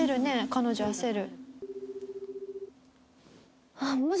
彼女焦る。